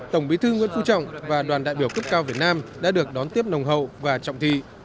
tổng bí thư nguyễn phú trọng và đoàn đại biểu cấp cao việt nam đã được đón tiếp nồng hậu và trọng thị